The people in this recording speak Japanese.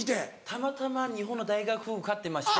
たまたま日本の大学受かってまして。